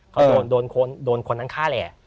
เขาโดนโดนคนนั้นฆ่าแหล่